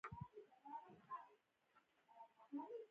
کښتۍ مې د ماهیګیرانو د جزیرې په لورې بوتله.